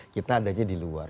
kita adanya di luar